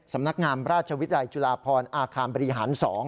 สำนักงามราชวิทยาลัยจุฬาพรอาคารบริหาร๒